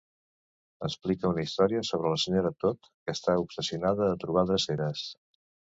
Explica una història sobre la Sra. Todd, que està obsessionada a trobar dreceres.